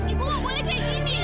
ibu gak boleh kayak gini